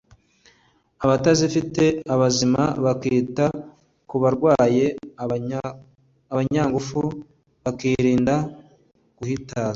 abatazifite abazima bakita ku barwaye abanyangufu bakirinda guhutaza